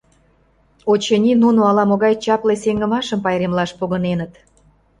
Очыни, нуно ала-могай чапле сеҥымашым пайремлаш погыненыт.